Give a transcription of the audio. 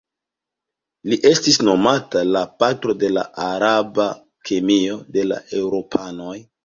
Li estis nomata la "patro de la araba kemio" de la eŭropanoj.